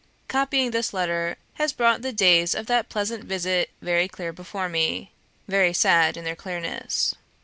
Copying this letter has brought the days of that pleasant visit very clear before me, very sad in their clearness.